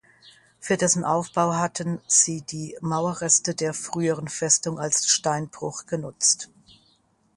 Für dessen Aufbau hatten sie die Mauerreste der früheren Festung als Steinbruch genutzt.